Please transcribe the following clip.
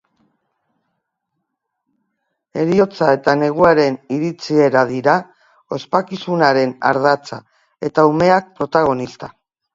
Heriotza eta neguaren iritsiera dira ospakizunaren ardatza, eta umeak protagonista.